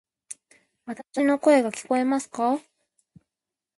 わたし（の声）が聞こえますか？